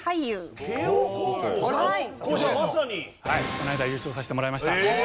この間優勝させてもらいました。